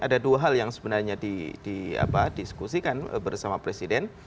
ada dua hal yang sebenarnya didiskusikan bersama presiden